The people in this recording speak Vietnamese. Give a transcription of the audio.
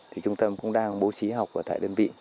thì trung tâm cũng đang bố trí học ở tại đơn vị